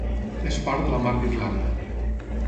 És part de la Mar d'Irlanda.